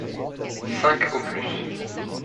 Cinq au plus.